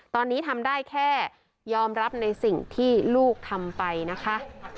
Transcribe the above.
ตอนนี้ทำได้แค่ยอมรับในสิ่งที่ลูกทำไปนะคะ